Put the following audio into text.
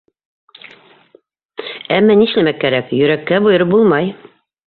Әммә, нишләмәк кәрәк, йөрәккә бойороп булмай.